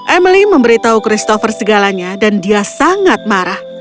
emily memberitahu christopher segalanya dan dia sangat marah